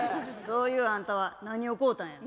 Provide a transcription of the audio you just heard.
そういうあんたは何を買うたんや？